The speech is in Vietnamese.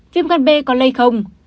viêm gan b có lây không